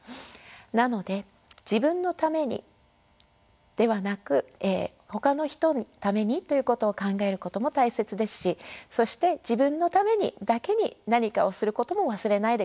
なので自分のためにではなくほかの人のためにということを考えることも大切ですしそして自分のためにだけに何かをすることも忘れないでください。